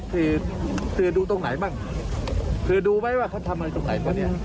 คือคือดูตรงไหนบ้างคือดูไหมว่าเขาทำอะไรตรงไหนวะเนี่ย